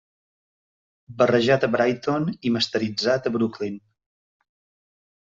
Barrejat a Brighton i masteritzat a Brooklyn.